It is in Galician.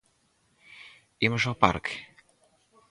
¿Imos ao parque?